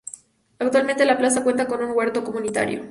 Actualmente, la plaza cuenta con un huerto comunitario.